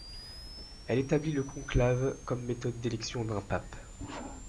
Elle établit le conclave comme méthode d'élection d'un pape.